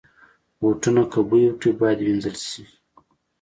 بوټونه که بوی وکړي، باید وینځل شي.